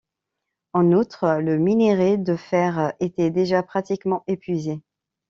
En outre, le minerai de fer était déjà pratiquement épuisé.